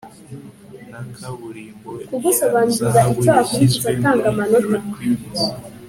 na kaburimbo ya zahabu yashyizwe muri requiems